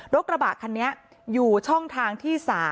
กระบะคันนี้อยู่ช่องทางที่๓